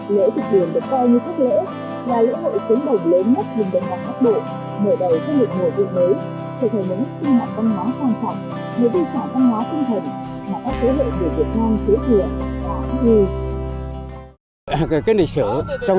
mở đầu các lực lượng người việt mới trở thành những sư mạng văn hóa quan trọng